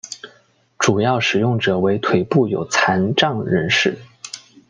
主要使用者为腿部有残障人士。